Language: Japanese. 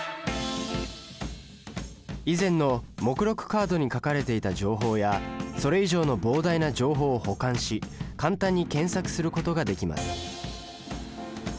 以前の目録カードに書かれていた情報やそれ以上の膨大な情報を保管し簡単に検索することができます